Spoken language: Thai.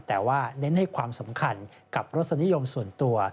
แต่ว่าเน้นให้ความสำคัญกับรสนิยมส่วนตัว